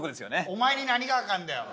お前に何がわかるんだよ！